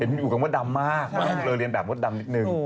อยู่กันในมุดดำมากพอเขามีเรียนลีนแบบมุดดำนิดหนึ่ง